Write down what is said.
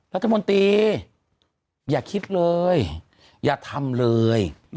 รัฐมนตรีอย่าคิดเลยอย่าทำเลย